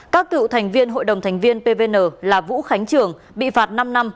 các cựu thành viên hội đồng thành viên pvn là vũ khánh trường bị phạt năm năm